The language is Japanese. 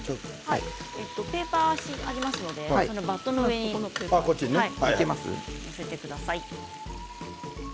ペーパーがありますのでバットの上に載せてください。